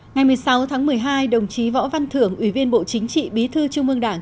ngày một mươi sáu tháng một mươi hai đồng chí võ văn thưởng ủy viên bộ chính trị bí thư trung ương đảng